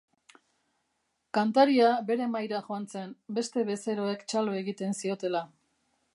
Kantaria bere mahaira joan zen, beste bezeroek txalo egiten ziotela.